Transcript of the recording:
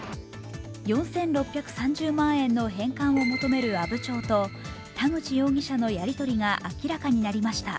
４６３０万円の返還を求める阿武町と田口容疑者のやり取りが明らかになりました。